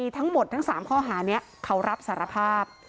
ทั้งหมดทั้ง๓ข้อหานี้เขารับสารภาพ